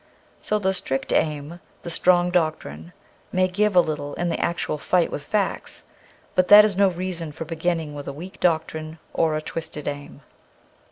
So the strict aim, the strong doctrine, may give a little in the actual fight with facts ; but that is no reason for beginning with a weak doctrine or a twisted aim.